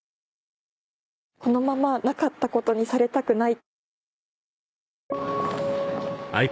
このままなかったことにされたくない。